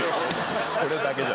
それだけじゃない。